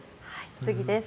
次です。